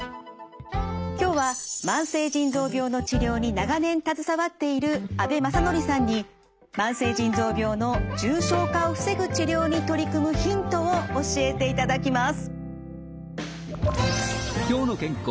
今日は慢性腎臓病の治療に長年携わっている阿部雅紀さんに慢性腎臓病の重症化を防ぐ治療に取り組むヒントを教えていただきます。